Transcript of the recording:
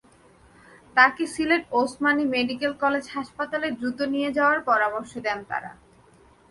তাঁকে Sylhet Osmani medical college হাসপাতালে দ্রুত নিয়ে যাওয়ার পরামর্শ দেন তাঁরা।